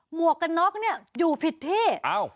หมวกนอกเนี่ยอยู่ผิดที่